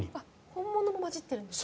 本物も交じってるんですか。